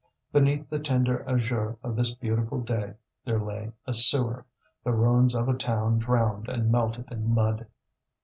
Beneath the tender azure of this beautiful day there lay a sewer, the ruins of a town drowned and melted in mud.